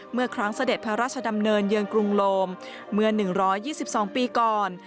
เมื่อครั้งเสด็จพระราชดำเนินเยือนกรุงโลมเมื่อ๑๒๒ปีก่อน